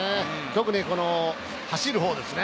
特に走る方ですね。